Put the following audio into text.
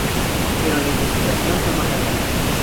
Pero la investigación fue más allá.